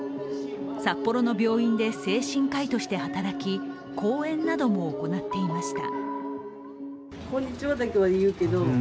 札幌の病院で精神科医として働き講演なども行っていました。